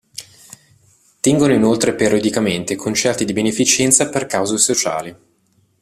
Tengono inoltre periodicamente concerti di beneficenza per cause sociali.